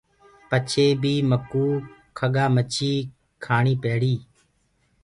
پچهي بي مڪوُ کڳآ مڇيٚ کآڻيٚ پيڙيٚ۔